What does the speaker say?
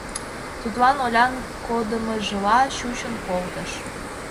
Тудлан Олян кодымыжла чучын колтыш.